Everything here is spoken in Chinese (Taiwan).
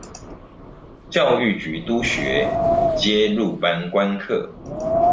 教育局督學皆入班觀課